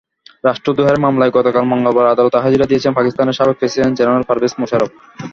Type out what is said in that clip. রাষ্ট্রদ্রোহের মামলায় গতকাল মঙ্গলবার আদালতে হাজিরা দিয়েছেন পাকিস্তানের সাবেক প্রেসিডেন্ট জেনারেল পারভেজ মোশাররফ।